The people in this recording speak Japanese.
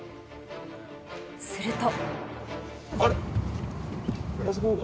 すると。